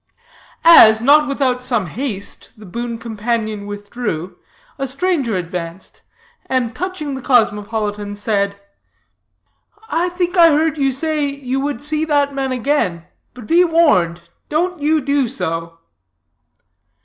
As, not without some haste, the boon companion withdrew, a stranger advanced, and touching the cosmopolitan, said: "I think I heard you say you would see that man again. Be warned; don't you do so."